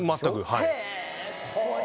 はい。